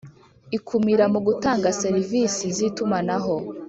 Ikumira mu gutanga serivisi zitumanaho